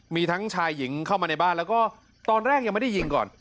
มีทั้งชายหญิงเข้ามาในบ้านแล้วก็ตอนแรกยังไม่ได้ยิงก่อน